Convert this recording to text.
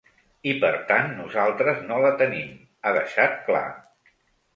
I per tant, nosaltres no la tenim, ha deixat clar.